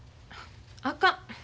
あかん。